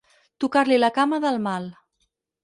Tocar-li la cama del mal.